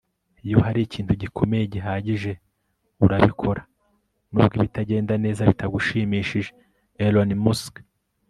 iyo hari ikintu gikomeye gihagije, urabikora nubwo ibitagenda neza bitagushimishije. - elon musk